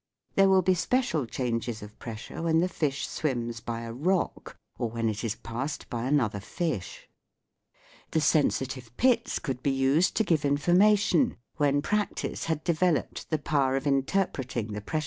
There will be special changes of pressure when the fish swims by a rock, or when it is passed by another fish. The sensitive pits could be used to give information, when practice had developed the power of interpreting the pressure changes FIG.